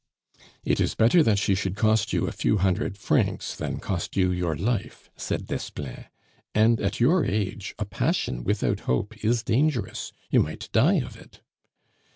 "It is better that she should cost you a few hundred francs than cost you your life," said Desplein; "and, at your age, a passion without hope is dangerous, you might die of it."